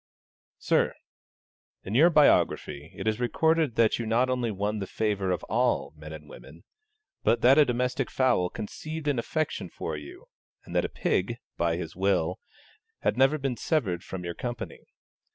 Sir, In your biography it is recorded that you not only won the favour of all men and women; but that a domestic fowl conceived an affection for you, and that a pig, by his will, had never been severed from your company.